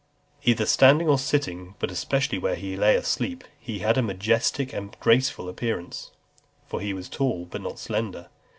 XXX. Either standing or sitting, but especially when he lay asleep, he had a majestic and graceful appearance; for he was tall, but not slender.